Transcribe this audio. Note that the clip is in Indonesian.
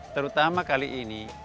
terutama kali ini